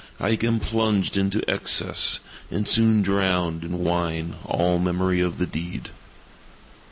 I again plunged into excess, and soon drowned in wine all memory of the deed.